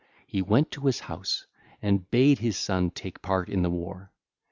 He went to his house and bade his son take part in the war.